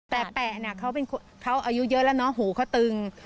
แปะเนี่ยเขาเป็นคนเขาอายุเยอะแล้วเนอะหูเขาตึง